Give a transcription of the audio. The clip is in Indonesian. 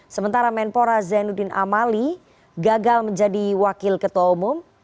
sementara menpora zainuddin amali gagal menjadi wakil ketua umum